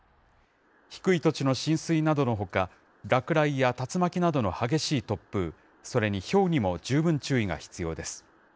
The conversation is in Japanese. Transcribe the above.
低い土地の浸水などのほか、落雷や竜巻などの激しい突風、それにひょうにも十分注意が必要です。